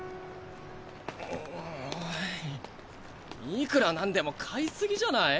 いくらなんでも買い過ぎじゃない？